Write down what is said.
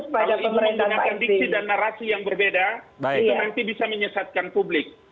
kalau ingin menggunakan diksi dan narasi yang berbeda itu nanti bisa menyesatkan publik